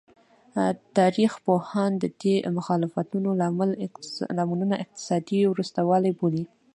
تاریخ پوهان د دې مخالفتونو لاملونه اقتصادي وروسته والی بولي.